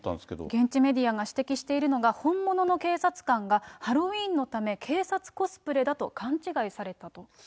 現地メディアが指摘しているのが、本物の警察官がハロウィーンのため、警察コスプレだと勘違いされたと。